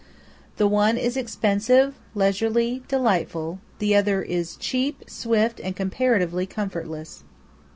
The one is expensive, leisurely, delightful; the other is cheap, swift, and comparatively comfortless.